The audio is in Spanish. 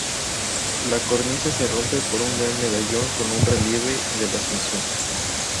La cornisa se rompe por un gran medallón con un relieve de la Asunción.